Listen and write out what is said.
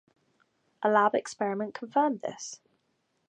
A lab experiment confirmed this.